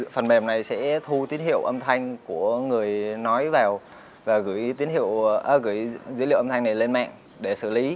phần mềm này sẽ thu tín hiệu âm thanh của người nói vào và gửi dữ liệu âm thanh này lên mạng để xử lý